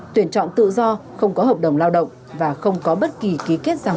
tuyển chọn tự do không có hợp đồng lao động và không có bất kỳ ký kết nào